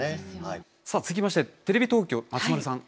さあ続きましてテレビ東京松丸さん。